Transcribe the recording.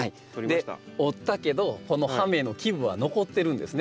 折ったけどこの葉芽の基部は残ってるんですね